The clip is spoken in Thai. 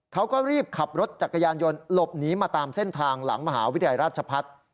เขาก็รีบขับรถจักรยานยนต์หลบหนีมาตามเส้นทางหลังมหาวิทยาลัยราชพัฒน์